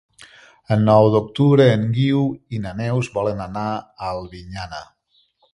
El nou d'octubre en Guiu i na Neus volen anar a Albinyana.